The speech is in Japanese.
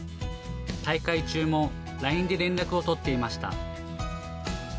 大会中もＬＩＮＥで連絡を取っていました。